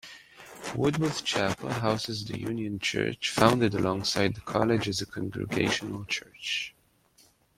Woodworth Chapel houses the Union Church, founded alongside the college as a Congregational Church.